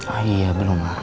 ah iya belum ma